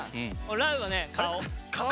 ラウはね顔。